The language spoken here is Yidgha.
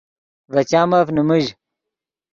ڤے چامف نیمیژ